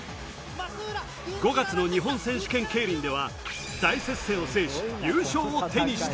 ５月の日本選手権競輪では大接戦を制し、優勝を手にした。